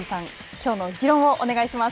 きょうの自論をお願いします。